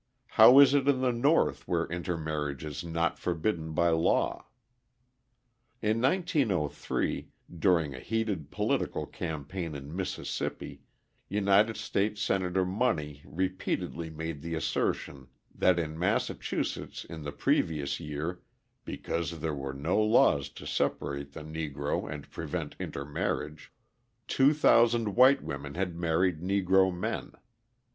How is it in the North where intermarriage is not forbidden by law? In 1903, during a heated political campaign in Mississippi, United States Senator Money repeatedly made the assertion that in Massachusetts in the previous year, because there were no laws to separate the Negro and prevent intermarriage, 2,000 white women had married Negro men.